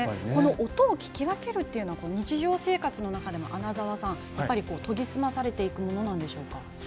音を聞き分けるというのは日常生活の中でも穴澤さん、研ぎ澄まされていくものなんでしょうか。